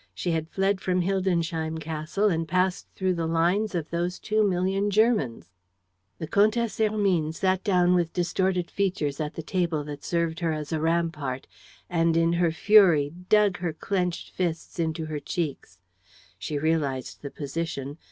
She had fled from Hildensheim Castle and passed through the lines of those two million Germans! The Comtesse Hermine sat down with distorted features at the table that served her as a rampart and, in her fury, dug her clenched fists into her cheeks. She realized the position.